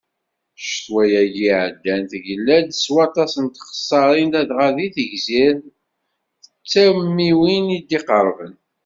Ccetwa-agi iɛeddan, tegla-d s waṭas n txessaṛin ladɣa deg Tegzirt d tamiwin i tt-iqerben.